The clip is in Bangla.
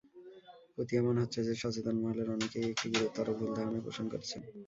প্রতীয়মান হচ্ছে যে, সচেতন মহলের অনেকেই একটি গুরুতর ভুল ধারণা পোষণ করছেন।